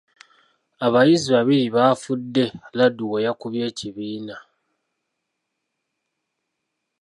Abayizi babiri baafudde laddu bwe yakubye ekibiina.